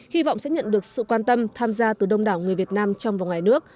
hy vọng sẽ nhận được sự quan tâm tham gia từ đông đảo người việt nam trong và ngoài nước